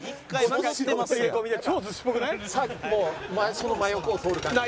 その真横を通る感じが。